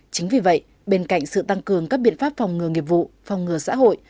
chính vì vậy bên cạnh sự tăng cường các biện pháp phòng ngừa nghiệp vụ phòng ngừa xã hội